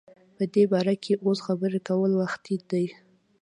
په دی باره کی اوس خبری کول وختی دی